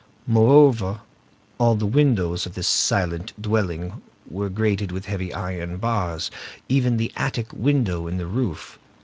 Moreover, all the windows of this silent dwelling were grated with heavy iron bars, even the attic windows in the roof.